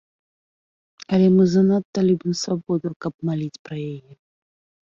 Але мы занадта любім свабоду, каб маліць пра яе.